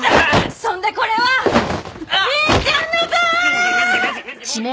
そんでこれは凛ちゃんの分！